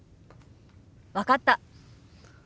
分かった。